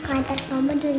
aku antar ke oma dulu ya